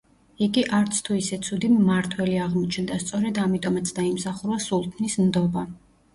იგი არცთუ ისე ცუდი მმართველი აღმოჩნდა, სწორედ ამიტომაც დაიმსახურა სულთნის ნდობა.